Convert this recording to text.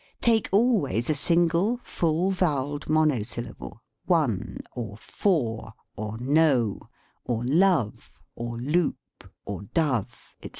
Take always a single full vowelled monosyllable: one, or four, or no, or love, or loop, or dove, etc.